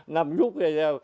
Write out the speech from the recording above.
nằm rút về nè